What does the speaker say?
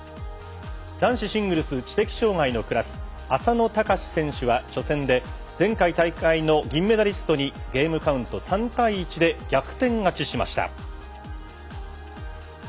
男子シングルス知的障がいのクラス浅野俊選手は初戦で前回大会の銀メダリストにゲームカウント３対１で逆転勝ちしました。